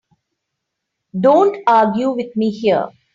Don't argue with me here.